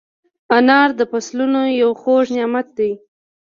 انار د فصلونو یو خوږ نعمت دی.